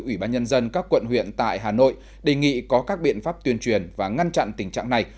ủy ban nhân dân các quận huyện tại hà nội đề nghị có các biện pháp tuyên truyền và ngăn chặn tình trạng này